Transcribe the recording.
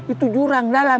itu jurang dalam